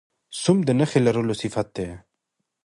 سوم د نخښهلرلو صفت دئ.